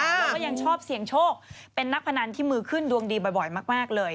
แล้วก็ยังชอบเสี่ยงโชคเป็นนักพนันที่มือขึ้นดวงดีบ่อยมากเลย